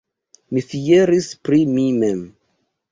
Mi fieris pri mi mem!